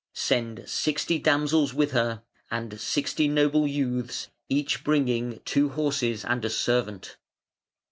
Send sixty damsels with her, and sixty noble youths each bringing two horses and a servant.